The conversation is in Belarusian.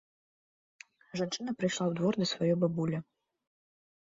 Жанчына прыйшла ў двор да сваёй бабулі.